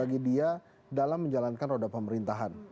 bagi dia dalam menjalankan roda pemerintahan